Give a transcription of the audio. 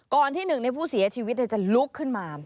ที่หนึ่งในผู้เสียชีวิตจะลุกขึ้นมา